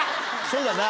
そうだな。